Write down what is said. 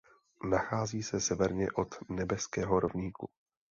Nachází se severně od nebeského rovníku.